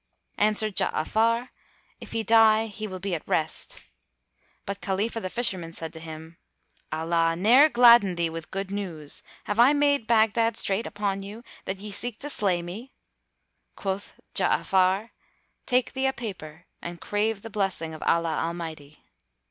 Answered Ja'afar, "If he die he will be at rest." But Khalifah the Fisherman said to him, "Allah ne'er gladden thee with good news! Have I made Baghdad strait upon you, that ye seek to slay me?" Quoth Ja'afar, "Take thee a paper and crave the blessing of Allah Almighty!"